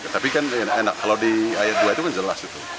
tapi kan enak kalau di ayat dua itu kan jelas itu